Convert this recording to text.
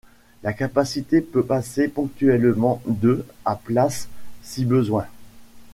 La capacité peut passer ponctuellement de à places si besoin.